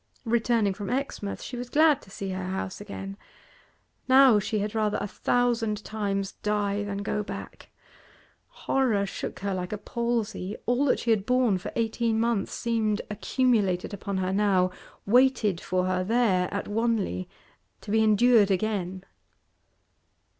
Returning from Exmouth, she was glad to see her house again; now she had rather a thousand times die than go back. Horror shook her like a palsy; all that she had borne for eighteen months seemed accumulated upon her now, waited for her there at Wanley to be endured again.